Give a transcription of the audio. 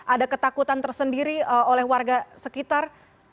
ada ketakutan tersendiri oleh warga sekitar